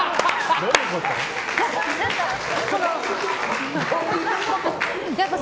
どういうこと？